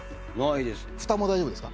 蓋も大丈夫ですか？